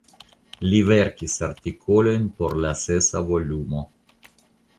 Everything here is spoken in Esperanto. Li verkis artikolojn por la sesa volumo.